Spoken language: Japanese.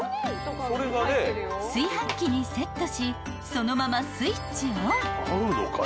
炊飯器にセットしそのままスイッチオン］